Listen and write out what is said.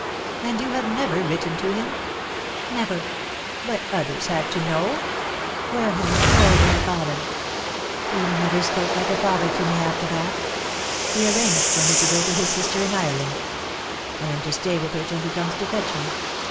"And you have never written to him?" "Never." "But others had to know." "Wareham told my father. He never spoke DEAD LOVE HAS CHAINS. 43 like a father to me after that. He arranged for me to go to his sister in Ireland. I am to stay with her till he comes to fetch me.